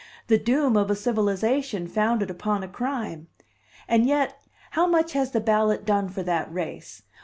the doom of a civilization founded upon a crime. And yet, how much has the ballot done for that race?